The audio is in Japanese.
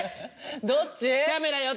どっち？